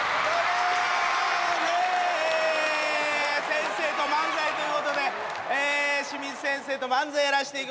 先生と漫才ということで清水先生と漫才やらしていただきます。